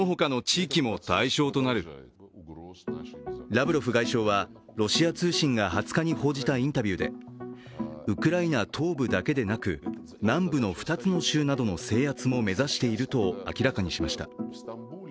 ラブロフ外相は、ロシア通信が２０日に報じたインタビューでウクライナ東部だけでなく南部の２つの州などの制圧も目指していると明らかにしました。